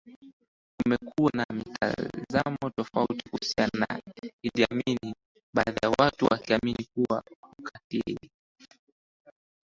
Kumekuwa na mitazamo tofauti kuhusiana na Idi Amin baadhi ya watu wakiamini kuwa ukatili